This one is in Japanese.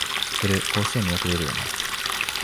知ってる、甲子園によく出るよね